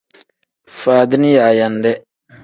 Faadini yaayande.